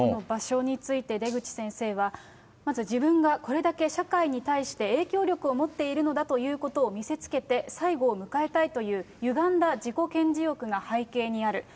場所について出口先生は、まず自分がこれだけ社会に対して影響力を持っているのだということを見せつけて最後を迎えたいという、ゆがんだ自己顕示欲が背景にある。